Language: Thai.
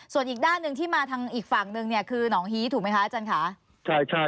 ส่วนอีกด้านหนึ่งที่มาทางอีกฝั่งนึงเนี่ยคือหนองฮีถูกไหมคะอาจารย์ค่ะใช่ใช่